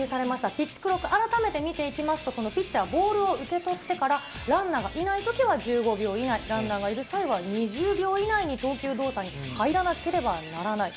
ピッチクロック、改めて見ていきますと、そのピッチャー、ボールを受け取ってから、ランナーがいないときは１５秒以内、ランナーがいる際は２０秒以内に投球動作に入らなければならない。